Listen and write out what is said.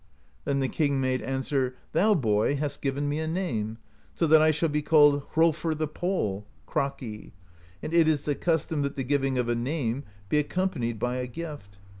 Then the king made answer: 'Thou, boy, hast given me a name, so that I shall be called Hrolfr the Pole (Kraki); and it is the custom that the giving of a name be accompanied by a gift.